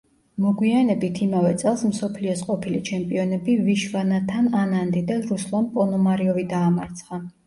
მოგვიანებით იმავე წელს მსოფლიოს ყოფილი ჩემპიონები ვიშვანათან ანანდი და რუსლან პონომარიოვი დაამარცხა.